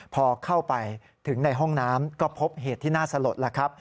พอเข้าไปถึงในห้องน้ำก็พบเหตุที่น่าสลดแล้วครับ